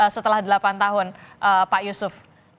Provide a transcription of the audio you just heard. setelah delapan tahun pak yusuf